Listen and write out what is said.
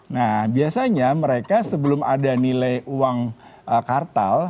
nah biasanya mereka sebelum ada nilai uang kartal